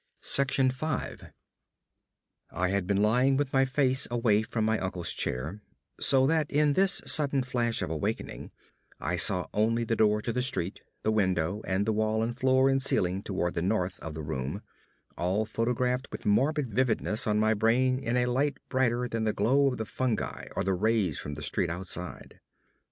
5 I had been lying with my face away from my uncle's chair, so that in this sudden flash of awakening I saw only the door to the street, the window, and the wall and floor and ceiling toward the north of the room, all photographed with morbid vividness on my brain in a light brighter than the glow of the fungi or the rays from the street outside.